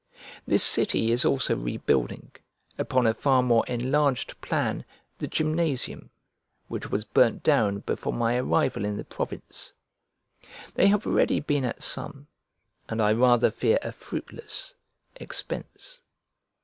This city is also rebuilding, upon a far more enlarged plan, the gymnasium, which was burnt down before my arrival in the province. They have already been at some (and, I rather fear, a fruitless) expense.